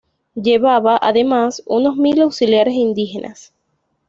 Llevaba, además, unos mil auxiliares indígenas.